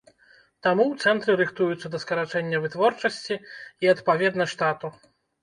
Таму ў цэнтры рыхтуюцца да скарачэння вытворчасці і, адпаведна, штату.